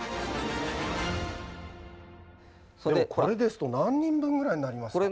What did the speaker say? これですと何人分ぐらいになりますか？